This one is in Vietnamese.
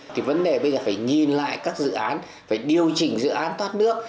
thì vấn đề bây giờ phải nhìn lại các dự án phải điều chỉnh dự án thoát nước